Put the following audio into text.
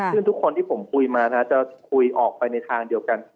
ซึ่งทุกคนที่ผมคุยมานะจะคุยออกไปในทางเดียวกัน